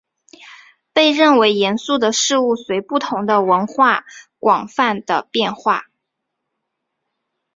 被认为严肃的事物随不同的文化广泛地变化。